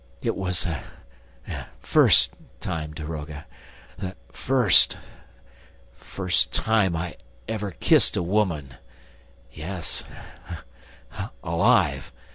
It was the first ... time, daroga, the first ... time I ever kissed a woman ... Yes, alive